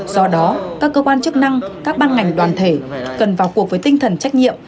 do đó các cơ quan chức năng các ban ngành đoàn thể cần vào cuộc với tinh thần trách nhiệm